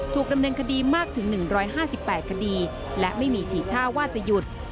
ถูกดำเนินคดีมากถึง๑๕๘คดีและไม่มีทีท่าว่าจะหยุด